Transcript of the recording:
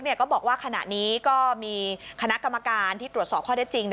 ก็บอกว่าขณะนี้ก็มีคณะกรรมการที่ตรวจสอบข้อได้จริง